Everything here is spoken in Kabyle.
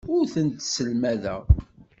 Ur tent-sselmadeɣ.